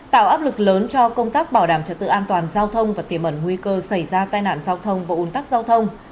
tạo áp lực lớn cho công tác bảo đảm trật tự an toàn giao thông và tiềm ẩn nguy cơ xảy ra tai nạn giao thông và ủn tắc giao thông